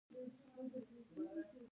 د غریبانو لپاره دوه زره ټول شول.